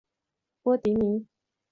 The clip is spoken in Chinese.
波蒂尼。